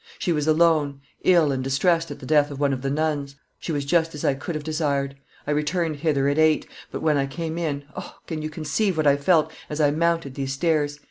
She was alone, ill and distressed at the death of one of the nuns; she was just as I could have desired. I returned hither at eight; but when I came in, O! can you conceive what I felt as I mounted these stairs?